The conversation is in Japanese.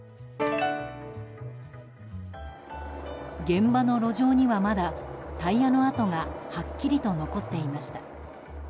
現場の路上にはまだタイヤの跡がはっきりと残っていました。